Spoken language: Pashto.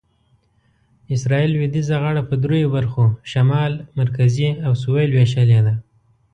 اسرایل لویدیځه غاړه په دریو برخو شمال، مرکزي او سویل وېشلې ده.